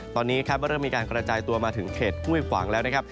ตอนนี้คาดว่าเริ่มมีการกระจายตัวมาถึงเขตห้วยขวางแล้วนะครับ